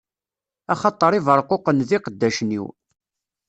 Axaṭer Ibeṛquqen d iqeddacen-iw.